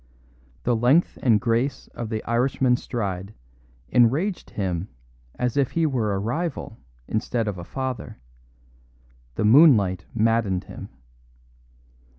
The length and grace of the Irishman's stride enraged him as if he were a rival instead of a father; the moonlight maddened him.